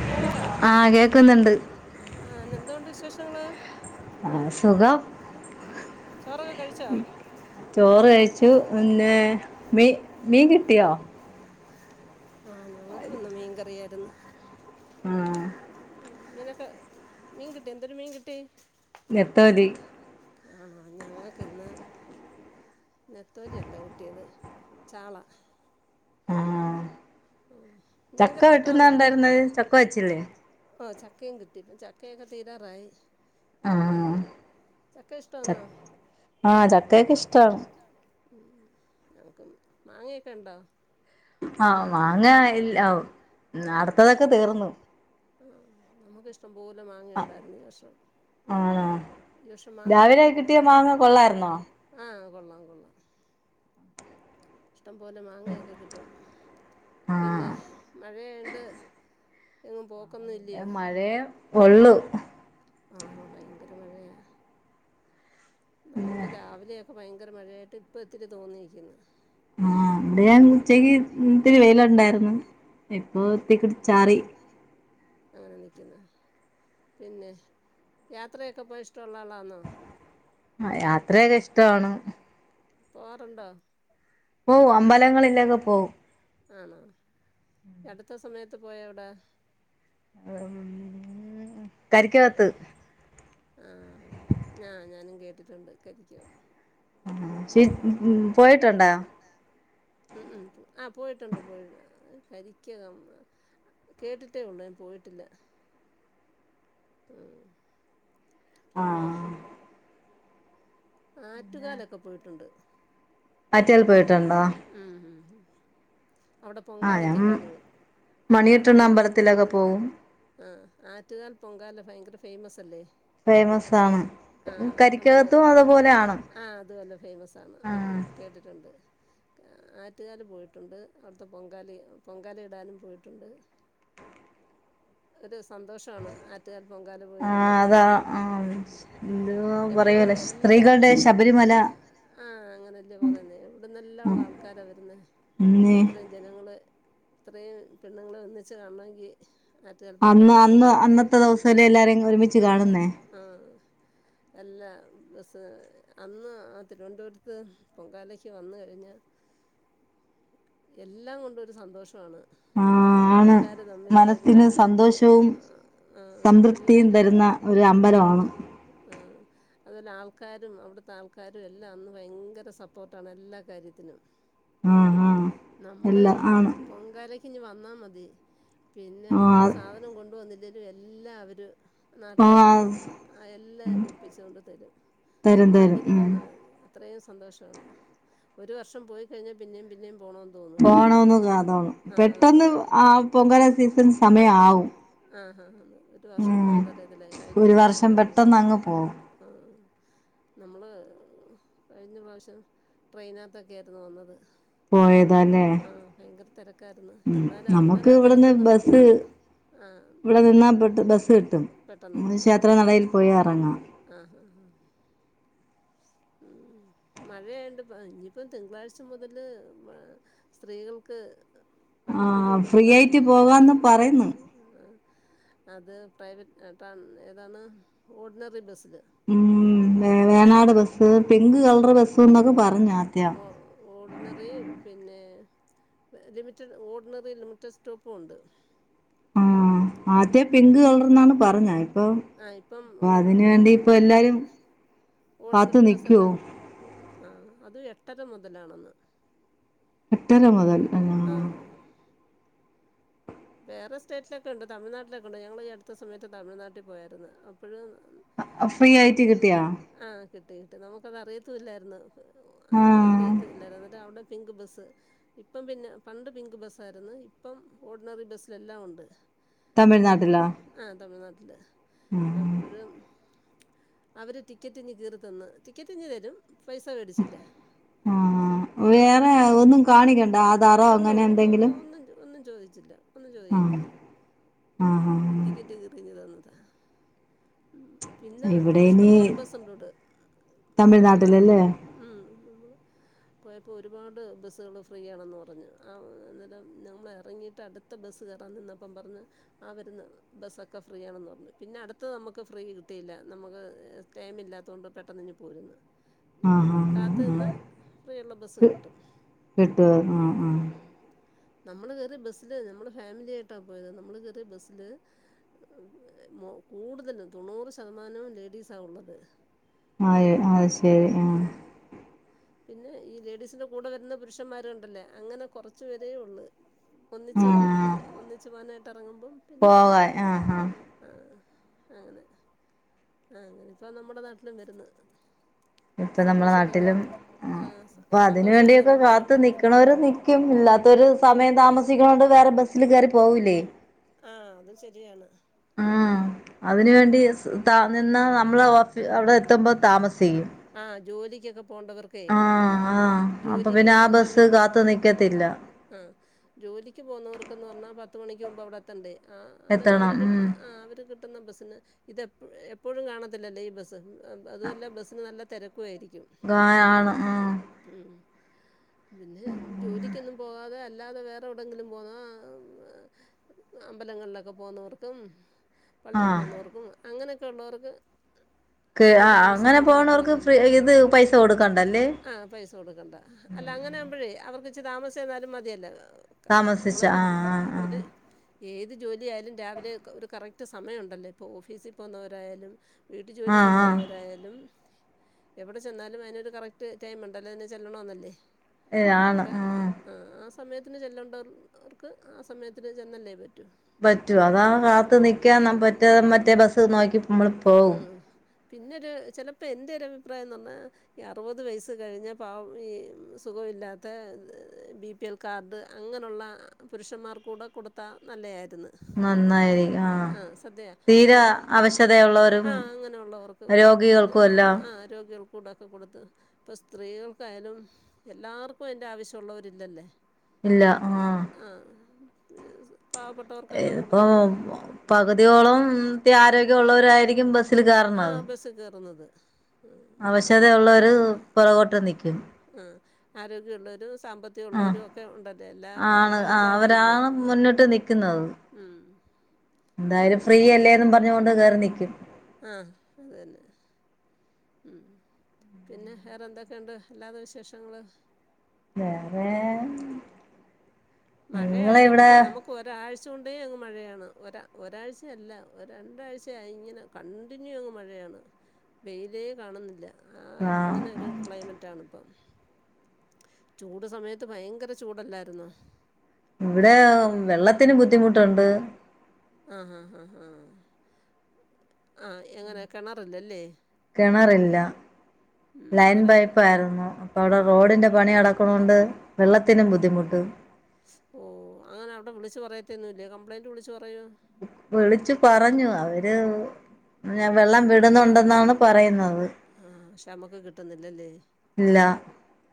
കേക്കുന്നുണ്ടോ ആഹ് കേക്കുന്നുണ്ട് എന്തോണ്ട് വിശേഷങ്ങള് ആഹ് സുഖം ചോറൊക്കെ കഴിച്ചോ ചോറ് കഴിച്ചു പിന്നെ മീ മീൻ കിട്ടിയോ? ആ ഞങ്ങക്കും ഇന്ന് മീൻ കറിയായിരുന്നു. ആഹ് ഉ മീനൊക്കെ മീൻ കിട്ടി എന്തൊരു മീൻ കിട്ടി? നെത്തോലി ആണോ ഞങ്ങക്കിന്ന് നെത്തോലി അല്ല കിട്ടിയത് ചാള ആ ഉം, മീൻ കറി ചക്ക വട്ടുന്ന ഇഷ്ടമാണോ കണ്ടാരുന്ന ചക്ക വെച്ചില്ലേ? ഓ ചക്കയും കിട്ടി ഇപ്പൊ ചക്കയൊക്കെ തീരാറായി. ആഹ് ചക്ക ച ഇഷ്ട്ടാന്നോ? ആഹ് ചക്കയൊക്കെ ഇഷ്ടാണ് ഉം ഞങ്ങക്കും മാങ്ങയൊക്കെ ഉണ്ടോ? ആഹ് മാങ്ങ ഇല്ല അടുത്തതൊക്കെ തീർന്നു ആ നമുക്കിഷ്ടം പോലെ മാങ്ങിയുണ്ടാരുന്നു ഈ വർഷം ആണോ ഈ വർഷം രാവിലെ കിട്ടിയ മാങ്ങ കൊള്ളാരുന്നോ? ആഹ് കൊള്ളാം കൊള്ളാം [inaudible] ഇഷ്ടം പോലെ മാങ്ങയൊക്കെ കിട്ടും ആഹ് പിന്നെ മഴയായോണ്ട് എങ്ങും പൊ മഴയെ ഒള്ളു ആഹാ ഭയങ്കര മഴയ നമുക്ക് രാവിലെയൊക്കെ ഭയങ്കര മഴയായിട്ട് ഇപ്പ ഇത്തിരി തോന്നിക്കുന്ന്. ആഹ് ഇവ്ടെ ഉച്ചക്ക് ഇത്തിരി വെയിലുണ്ടാരുന്നു ഇപ്പൊത്തിക്കിട ചാറി അങ്ങനെ നിക്കുന്ന്. പിന്നെ യാത്രയൊക്കെ പോവാൻ ഇഷ്ട്ടൊള്ള ആളാണോ? ആ യാത്രയൊക്കിഷ് പോവാറുണ്ടോ? പോവും അമ്പലങ്ങളിലൊക്കെ പോവും. ആന്നോ ഈ അടുത്ത സമയത്ത് പോയ എവിടാ? [unintelligible] ആഹ് ഞാ ഞാനും കേട്ടിട്ടുണ്ട് കരിക്കുവ ആഹ് [unintelligible] പോയിട്ടിണ്ട? ഉം ഉം ആ പോയിട്ടുണ്ട് പോയി കരിക്കകം കേട്ടിട്ടേ ഉള്ളൂ ഞാൻ പോയിട്ടില്ല. ആഹ് പിന്നെ ആഹ് ആറ്റുകാലൊക്കെ പോയിട്ടുണ്ട്. ആറ്റേൽ പോയിട്ടുണ്ടോ ഉം ഉം ഉം അവിടെ ആഹ് ഞാൻ പൊങ്കാലക്കൊക്കെ പോവും അല്ലാതെ മണികെട്ടുന്ന തൊഴുവാനും പോം അമ്പലത്തിലൊക്കെ പോവും ആഹ് ആറ്റുുകാൽ പൊങ്കാല ഭയങ്കര ഫേമസ് അല്ലേ? ഫേമസ് ആണ് ആഹ് നമ്മള് കരിക്കകത്തും അതുപോലെയാണ് ആഹ് അത് തന്നെ ഫേമസ് ആണ് ആഹ് അറിയാം കേട്ടിട്ടുണ്ട് ആറ്റുകാല് പോയിട്ടുണ്ട് അവിടുത്തെ പൊങ്കാലി പൊങ്കാല ഇടാനും പോയിട്ടുണ്ട് ഒരു സന്തോഷാണ് ആറ്റു റ്റുകാൽ പൊങ്കാല ആഹ് പോയിടുന്നത്. അതാ ആഹ് എന്തുവാ എവിടുന്നല്ല പറയുവല്ലോ എല്ലാ സ്ത്രീകളുടെ ശബരിമല ആഹ് അങ്ങനെല്ലേ പറയുന്നേ ഇവിടുന്നെല്ലാം ഉള്ള ഉം ആൾക്കാര വരുന്നെ പിന്നെ ഇത്രയും ജ ജനങ്ങള് ഇത്രയും പെണ്ണുങ്ങളെ ഒന്നിച്ച് കാണമെങ്കിൽ ആറ്റുകാൽ അന്ന് പൊങ്കാലക്ക് അന്ന് വന്നാൽമത് അന്നത്തെ ദിവസല്ലേ എല്ലാരേം ഒരുമിച്ച് ആഹ് കാണുന്നേ ആഹ് അല്ല ബസ്സ് അന്ന് ആ തിരുവനന്തപുരത്ത് പൊങ്കാലക്ക് വന്ന് കഴിഞ്ഞാ എല്ലാം കൊണ്ടൊരു സന്തോഷമാണ്. ആ ആണ് ആൾക്കാര് തമ്മിലായാലും മനസ്സിന് എല്ലാം എന്തൊരു സന്തോഷവും ആഹ് സംതൃപ്തിയും എല്ലാരും തരുന്ന ഒരു ആഹ് അമ്പലമാണ് ആഹ് അതുവല്ല ആൾക്കാരും അവിടുത്തെ ആൾക്കാരും എല്ലാം അന്ന് ഭയങ്കെര സ പ്പോട്ടാണ് എല്ലാ കാര്യത്തിനും ആ ആ നമ്മള് എല്ലാം ആണ് പൊങ്കലക്കിഞ്ഞ് വന്നാ മതി പിന്നെ ആ ഒരു സാനം കൊണ്ട് വന്നില്ലേ രു എല്ലാവരും ആ നാട്ടുകാരും എല്ലാം ഒപ്പിച്ചോണ്ട് തരും തരും തരും നമ്മളായിട്ട്ഞ്ഞ് ഉം വന്നാമതി അത്രേ സന്തോഷാണ് ഒരു വർഷം പോയി കഴിഞ്ഞാ പിന്നിം പിന്നിം പോണം പോണന്ന് [unintelligible] പെട്ടന്ന് അതാണ് ആ പൊങ്കാല സീസൺ സമയാവും ആഹ് ആന്ന് ഒരു വർഷം പോയതറിയതില്ലേ കഴിഞ്ഞ ഒരു സീസണ് വർഷം നമ്മള് പോ പെട്ടെന്ന് അങ്ങ് പോകും ആഹ് നമ്മള് കഴിഞ്ഞ പ്രാശ്യം ട്രെയിനാത്തൊക്കെ ആരുന്നു വന്നത് പോയതല്ലേ ആഹ് ഭയങ്കര തിരക്കാരുന്നു ഉം എന്നാലും നമുക്ക് അന്നേരം ആ ഇവിടുന്ന് തിരക്കൊന്നും ബസ് നമുക്കൊന്നല്ല ഇവിടെ നിന്നാ പെട്ട് ബസ് ഇട്ടും പെട്ടെന്ന് നമ്മള് കിട്ടും ഷേത്ര ആ നടയിൽ പോയി എറങ്ങാം ആഹ് ആഹ് ആഹ് മ് മഴയായോണ്ട് ഇനിയിപ്പം തിങ്കളാഴ്ച്ച മുതല് സ്ത്രീകൾക്ക് വണ്ടിക്കൂലി ആഹ് ഫ്രീ ആയിട്ട് കൊടുക്കണ്ടാന്നല്ലേ പോകാന്ന് പറയുന്നു ആ അത് പ്രൈവറ്റ് ഇപ്പം ഏതാണ് ഓർഡിനറി ബസ്സില് മ് വേ ഓ Venad bus pink colour bus എന്നൊക്കെ പറഞ്ഞാദ്യം. ഓ ഓർഡിനറി പിന്നെ ലിമിറ്റഡ് ഓർഡിനറി ലിമിറ്റഡ് സ്റ്റോപ്പുംണ്ട് ആ ആദ്യം പിങ്ക് കളർന്നാണ് പർഞ്ഞേ ഇപ്പം ആ ഇപ്പം ഓ അതിന് വേണ്ടിപ്പ എല്ലാരും കാത്തു നിക്കുവോ മ് ആ അതും എട്ടര മുതലാണെന്ന് എട്ടര മുതൽ തന്നാ ആഹ് വേറെ സ്റ്റേറ്റിലൊക്കെണ്ട് തമിഴ്നാട്ടിലൊകെണ്ട് ഞങ്ങള് ഈ അടുത്ത സമയത്ത് തമിഴ്നാട്ടി പോയായിരുന്നു അപ്പഴും ഫ്രീ അവ് ആയിട്ട് കിട്ടിയാ ആഹ് കിട്ടി കിട്ടി നമുക്കത് അറിയത്തു ഇല്ലായിര്ന്നു ആഹ് അറിയത്തില്ലായിരുന്നു അന്നേരം അവിടെ പിങ്ക് ബസ്സ് ഇപ്പം പിന്നെ പണ്ട് പിങ്ക് ബസ്സായിരുന്നു ഇപ്പം ഓട് ഓടിനറിബസ്സിലെല്ലാം ഉണ്ട് തമിഴ്നാട്ടിലാ തമിഴ്നാട്ടില് അപ്പ് ആഹ് അപ്പോഴും അവര് ടിക്കറ്റിങ്ങ് കീറി തന്ന് ടിക്കറ്റിങ്ങ് തരും പൈസ വേടിച്ചില്ല ആഹ് ആഹ് വേറെ ഒന്നും കാണിക്കണ്ട ആധാറോ ഒന്ന് അങ്ങനെ ഒന്ന് ഒന്ന് എന്തെങ്കിലും ഒന്നും ഒന്നു ചോ ചോതി ചില്ല ഒന്നും ചോ ആഹ് ആഹ് ആഹ് ടിക്കറ്റ് കീറി ഇങ്ങ് തന്നതാ മ് പിന്നെ ഇവിടെ ഇനി ഇഷ്ടംപോലെ ബസുണ്ട് അവിടെ നമ്മടതാ തമിഴ്നാട്ടിലല്ലേ മ് പോയപ്പോ ഒരുപാട് ബസ്സുകള് ഫ്രീയാണെന്ന് പറഞ്ഞു ആ അന്നേരം ഞങ്ങള് എറങ്ങിയിട്ട് അടുത് ത്തെ ബസ്സ് കെറാൻ നിന്നപ്പം പറഞ്ഞു ആ വരുന്ന ബസ്സൊക്കെ ഫ്രീ ആണെന്ന് പറഞ്ഞു പിന്നെ അടുത്ത ത്ത് നമക്ക് ഫ്രീ കിട്ടിയില്ല നമുക്ക് ടൈം ഇല്ലാത്തൊണ്ട് പെട്ടെന്ന് ഇങ്ങ് പോരുന്നു ആഹ് കാത്ത് ആഹ് നിന്ന് ആഹ് ഫ്രീയുള്ള ബസ്സ് കിട്ടും ട്ട് ആഹ് ആഹ് ആഹ് നമ്മള് കേറിയ ബസ്സില് നമ്മള് ഫാമിലിയായിട്ടാ പോയത് നമ്മള് കേറിയ ബസ്സില് മ് കൂടുതലും തൊണ്ണൂറ് ശതമാനവും ലേഡീസാ ഉള്ളത് ആഹ് ആഹ് ആപ്പിൽ അത് ആഹ് ശരി ആഹ് പിന്നെ ഈ ലേഡീസിന്റെ കൂടെ വരുന്ന പുരുഷന്മാരുണ്ടല്ലേ അങ്ങനെ കൊറച്ചു പേരേ ഉള്ള് ഒന്നിച്ച് ആഹ് ഒര് ഒന്നിച്ചു പോവാനായിട്ട് എറങ്ങുമ്പം പിന്നെ അവര് പോവാൻ ആഹ് ആഹ് ആഹ് അങ്ങനെ ആ അങ്ങനെ ഇപ്പം നമ്മുടെ നാട്ടിലും വര്ന്ന് ഇപ്പ നമ്മള നാട്ടിലും ആഹ് അപ്പൊ അതിന് സന്തോഷല്ലേ വേണ്ടിയൊക്കെ നമ്മുടെ കാത്തു നാട്ടിലും വരുന്നത് നിക്കണവര് നിക്കും ഇല്ലാത്തൊരു സമയം താമസിക്കണ്ട് വേറെ ബസ് സില് കേറി പോവൂല്ലേ ആഹ് അതും ശരിയാണ്. ആഹ് അതിനുവേണ്ടി നിന്നാ നമ്മൾ അവിടെ എത്തുമ്പോ താമസിക്കും. ആഹ് ജോലിക്കൊക്കെ പോണ്ടവർക്ക്. ആഹ് ആഹ് അപ്പൊ ജോലിക്ക് പിന്നെ ആ ബസ്സ് സമയത്ത്. കാത്ത് നിക്കത്തില്ല ആഹ് ജോലിക്ക് പോകുന്നവർക്കെന്ന് പറഞ്ഞാ പത്ത് മണിക്ക് മുമ്പ് അവിടെ. എത്തണം എന്നിട്ടവര് ഉം ആ അവര് കിട്ടുന്ന ബസ്സിന് ഇതെ. എപ്പോഴും കാണത്തില്ലല്ലേ ഈ ബസ്സ് അതുമല്ല ബസ്സിന് നല്ല തിരക്കുായിരിക്കും. ആയാണ് ആ. ഉം പിന്നെ ജോലിക്കൊന്നും പോവാതെ അല്ലാതെ വേറെ. എവിടെങ്കിലൊക്കെ പോകുന്ന അമ്പലങ്ങളിലൊക്കെ പോകുന്നവർക്കും. പള്ളിയിൽ ആഹ് പോകുന്നവർക്കും അങ്ങനെയൊക്കെ ഉള്ളവർക്ക്. ക്ക് വെച്ച് ആ അങ്ങനെ താമസാലും പോണവർക്ക് ഫ്രീ കൊഴപ്പല്ലല്ലോ ഇത് പൈസ കൊടുക്കണ്ടല്ലേ ആഹ് പൈസ. കൊടുക്കേണ്ട അല്ല അങ്ങന ആകുമ്പോഴേ അവർക്ക് ച്ച് താമസിച്ച് ചെന്നാലും മതിയല്ലോ. താമസിച്ച നമ്മളൊരു ആഹ് ആഹ് ഒരു. ഏത് ജോലിയായാലും രാവിലെ ഒരു കറക്റ്റ് സമയമുണ്ടല്ലോ ഇപ്പോ ഓഫീസി പോകുന്നവരായാലും. വീട്ടു ആഹ് ജോലിക്ക് ആഹ് ആഹ് പോകുന്നവരായാലും. എവിടെ ചെന്നാലും അതിനൊരു കറക്റ്റ് ടൈം ഉണ്ടല്ലോ അതിന് ചെല്ലണന്നല്ലേ ഏ ആണ് അന്നിട്ട്. ആഹ് ആ സമയത്തിന് ചെല്ലേണ്ടവർക്ക് ആ സമയത്തിന് ചെന്നല്ലേ പറ്റൂ. പറ്റുവ അതാ കാത്ത് അതാണ് നിക്കാ നിക്കാനമറ്റേ ബസ് നോക്കി നമ്മള് പോവും. ഉം പിന്നൊരു ചിലപ്പോ എൻ്റെ ഒരു അഭിപ്രായം എന്ന് പറഞ്ഞാ. ഈ അറുപത് വയസ്സ് കഴിഞ്ഞ പാവം ഈ സുഖമില്ലാത്ത ബി. പി എൽ കാർഡ് അങ്ങനെള്ള പുരുഷന്മാർ കൂടെ കൊടുത്താൽ നല്ലതായിരുന്നു. ആഹ് സദ്യ അല്ല. തീരെ അവശതയുള്ളവരും ആഹ് അങ്ങനെള്ളവർക്ക് കൊടുക്കുന്ന രോഗികൾക്കും എല്ലാം ആ. രോഗികൾക്കൂടെക്കെ കൊടുത്ത് ഇപ്പോ സ്ത്രീകൾക്കായാലും. എല്ലാർക്കും അതിന്റെ ആവശ്യമുള്ളവരില്ലല്ലേ. ഇല്ല ആഹ് ആഹ് പാവപ്പെട്ട. ഇപ്പ പകുതിയോളം ആരോഗ്യമുഉള്ളവരായിരിക്കും ബസ്സില് കയറണത്. ബസ് കേറുന്നത്. അവശത ആഹ് ഉള്ളോര് പുറകോട്ട് നിക്കും. ആ ആരോഗ്യള്ളൊരു സാമ്പത്തി. ത്യ ആഹ് ഉള്ളവരും ഒക്കെ ഉണ്ടല്ലേ എല്ലാ എല്ലാ വിഭാഗവും ഇല്ലേ. ട്ട് നിക്കുന്നത്. ഉം അങ്ങനെ എന്തായാലും ഫ്രീയല്ലേനും പറഞ്ഞുകൊണ്ട് കേറി നിക്കും. ആഹ് അതന്നെ. പിന്നെ വേറെ എന്തൊക്കെയുണ്ട് അല്ലാത വിശേഷങ്ങള്. വേറെ മഴ നിങ്ങളെ ആയതുകൊണ്ട് ഇവിടെ ഇപ്പോ നമുക്ക്. ഒരാഴ്ച കൊണ്ടേ അങ്ങ് മഴയാണ് ഒ ഒരാഴ്ചയല്ല ഒ രണ്ടാഴ്ചയായിങ്ങനെ. കണ്ടിന്യൂ അങ്ങ് മഴയാണ് വെയിലേ കാണുന്നില്ല ആ അങ്ങനെ ഒരു. ക്ലൈമറ്റാണ് ഇപ്പൊ ചൂട് സമയത്ത് ഭയങ്കര ചൂടല്ലായിരുന്നോ. ഇവിടെ വെള്ളത്തിന് ബുദ്ധിമുട്ടുണ്ട്. ആഹാ ഹാ ഹാ ആ എങ്ങനെ കിണറില്ലല്ലേ. കിണറില്ല ഉം ലൈൻ അന്നേരം പൈപ്പ് ആയിരുന്നു ഇപ്പ അവിടെ ഓ റോഡിന്റെ പണി നടക്ക. അതികൊണ്ട് വെള്ളത്തിനും ബുദ്ധിമുട്ട്. ഓ അങ്ങനെ അവിടെ വിളിച്ച് പറയത്തൊന്നില്ലേ കംപ്ലയിന്റ് വിളിച്ചു പറയുമോ. വിളിച്ചു പറഞ്ഞു അവര്. ഞാൻ വെള്ളം വിടുന്നുണ്ടെന്നാണ് പറയുന്നത് ആ പക്ഷെ നമുക്ക് കിട്ടുന്നില്ലല്ലേ ഇല്ല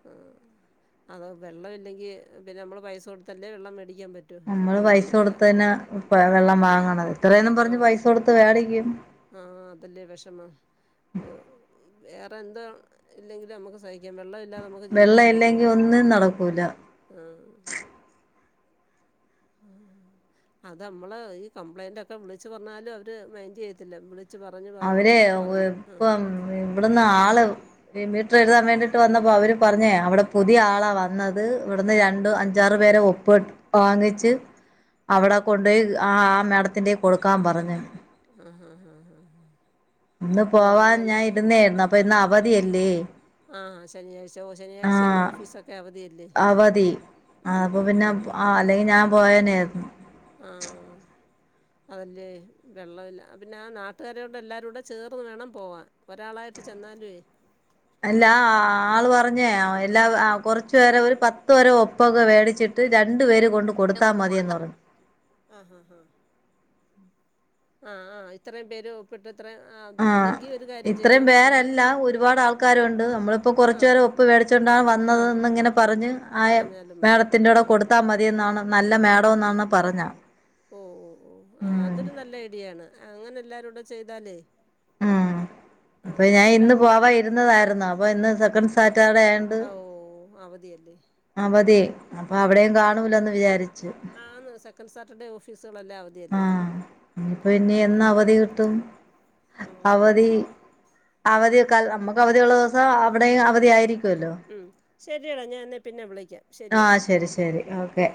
ആ അതോ വെള്ളം ഇല്ലെങ്കിൽ പിന്നെ നമ്മൾ പൈസ കൊടുത്തല്ലേ വെള്ളം മേടിക്കാൻ പറ്റു നമ്മള് പൈസ കൊടുത്ത തന്നെ വെള്ളം വാങ്ങണ എത്രയന്നും പറഞ്ഞ് പൈസ കൊടുത്ത് മേടിക്കും ആഹ് അതല്ലേ വിഷമം വേറെ എന്താ ഇല്ലെങ്കിലും നമുക്ക് സഹി വെള്ളം ഇല്ലാതെ നമുക്ക് വെള്ളം ജീവിക്കാൻ പറ്റുവ ഇല്ലെങ്കി ഒന്നും നടക്കൂല ആഹ് ആഹ് അത് നമ്മള് ഈ കംപ്ലൈന്റ് ഒക്കെ വിളിച്ച് പറഞ്ഞാലും അവര് മൈൻഡ് ചെയ്യത്തില്ല വിള ച്ച് പറഞ്ഞ് പറഞ്ഞ് പറഞ്ഞ് ആഹ് ഇവിടന്ന് ആള് മീറ്റർ എഴുതാൻ വേണ്ടിട്ട് വന്നപ്പോ അവര് പറഞ്ഞേ അവിടെ പുതിയ ആളാ വന്നത് ഇവിടുന്ന് രണ്ട് അഞ്ചാറ് പേരെ ഒപ്പ് വാങ്ങിച്ച് അവിടെ കൊണ്ടോയി ആഹ് മേഡത്തിന്റെ കൈ കൊടുക്കാൻ പറഞ്ഞു ആഹ് [unintelligible] ഇന്ന് പോവാൻ ഞാൻ ഇരുന്നായിരുന്നു അപ്പൊ ഇന്ന് അവധിയല്ലേ ആഹ് ശനിയാഴ്ച ഓ ശനിയാഴ്ച ഇന്ന് ആഹ് ഓഫീസക്കെ അവധിയല്ലേ ഉം ഉം ഉം ആഹ് അല്ലെങ്കിൽ ഞാൻ പോയനായിരുന്നു ആഹ് അതല്ലേ വെള്ളമില്ല പിന്നെ ആഹ് നാട്ടുകാരോണ്ട് എല്ലാവരും കൂടെ ചേർന്ന് വേണം പോവാൻ ഒരാളായിട്ട് ചെന്നാലുവേ അല്ല ആള് പറഞ്ഞേ എല്ലാ കുറച്ചു പേരെ ഒരു പത്തു പേരെ ഒപ്പൊക്കെ വേടിച്ചിട്ട് രണ്ട് പേര് കൊണ്ട് കൊടുത്താൽ കൊണ്ട് കൊടുത്ത മതിയെന്ന് പറഞ്ഞു ആഹ് ആഹ് ആഹ് ആഹ് ആഹ് ഇത്രയും പേര് ഒപ്പിട്ട് ഇത്രയും ആ ആഹ് അല്ലെങ്കിൽ ഒരു കാര്യം ഇത്രയും ചെയ്യണം എല്ലാ പേരല്ല ഒരുപാട് ആൾക്കാരുണ്ട് നമ്മളിപ്പോ ആ കുറച്ചുപേര ഉപ്പ് മേടിച്ചുകൊണ്ടാണ് ആ വന്നത് ഇങ്ങനെ പറഞ്ഞഞ് ആഹ പറഞ്ഞാലും മതി ആ മേഡത്തിന്റൂടെ കൊടുത്ത് ത്താ മതിയ എന്നാണ് നല്ല മേഡം എന്നാണ് പറഞ്ഞ ഓ ഓ ഓ ആഹ് ഉം അതൊരു നല്ല ഐഡിയാണ് അങ്ങനെ എല്ലാരും കൂടെ ചെയ്താലേ ഉം ആ അപ്പൊ ഞാൻ ഇന്ന് എല്ലാവരും പോവാ ഇരുന്നതായിരുന്ന അപ്പൊ ഇന്ന് സെക്കൻ്റ് ഓ അവധിയല്ലെ അവധി അപ്പൊ അവിടെയും കാണൂലന്ന് വിചാരിച്ചു ആഹ് ആന്ന് സെക്കൻ് സാറ്റർഡേ ഓഫീസുകളെല്ലാം അവധിയല്ലേ ആഹ് ഇനിയിപ്പോ ഉം എന്നവധി കിട്ടും ആഹ് അതും ഒരു അവധി ശരിയാ അവധിയക്കാൾ നമ്മക്ക് അവധിയുള്ള ദിവസം അവിടെയും അവധിയായിരിക്കുവല്ലോ ഉം ശരിയടാ ഞാൻ എന്നെ പിന്നെ വിളിക്കാം ആഹ് ശരി ശരി ഓക്കെ